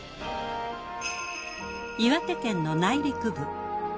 岩手県の内陸部。